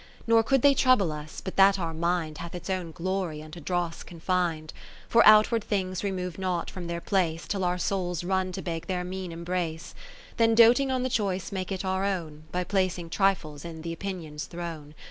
Nor could they trouble us, but that our mind Hath its own glory unto dross con fin'd, For outward things remove not from their place. Till our souls run to beg their mean embrace ; Then doting on the choice make it our own, By placing trifles in th' Opinion's throne.